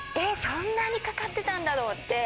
そんなにかかってたんだと思って。